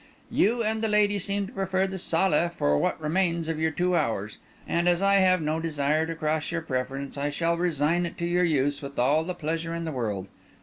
You and the lady seem to prefer the salle for what remains of your two hours; and as I have no desire to cross your preference, I shall resign it to your use with all the pleasure in the world.